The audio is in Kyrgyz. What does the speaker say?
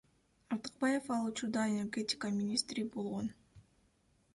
Артыкбаев ал учурда энергетика министри болгон.